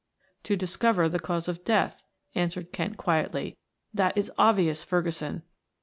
"To discover the cause of death," answered Kent quietly. "That is obvious, Ferguson."